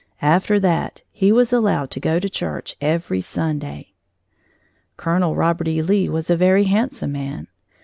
After that he was allowed to go to church every Sunday. Colonel Robert E. Lee was a very handsome man.